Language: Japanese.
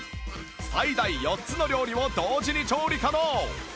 最大４つの料理を同時に調理可能！